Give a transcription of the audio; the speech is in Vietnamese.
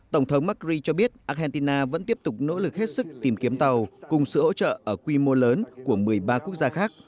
tổng thống macri cho biết argentina vẫn tiếp tục nỗ lực hết sức tìm kiếm tàu cùng sự hỗ trợ ở quy mô lớn của một mươi ba quốc gia khác